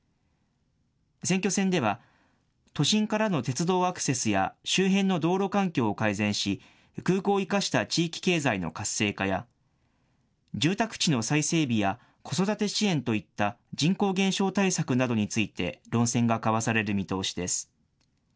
選挙戦では都心からの鉄道アクセスや周辺の道路環境を改善し、空港を生かした地域経済の活性化や住宅地の再整備や子育て支援といった人口減少対策などについて論戦が交わされる見通しです。